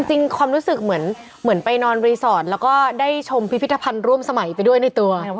ความรู้สึกเหมือนไปนอนรีสอร์ทแล้วก็ได้ชมพิพิธภัณฑ์ร่วมสมัยไปด้วยในตัว